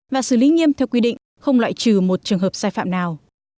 và xử lý nghiêm theo quy định không loại trừ một trường hợp sai phạm nào